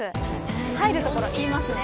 入るところ、いいますね。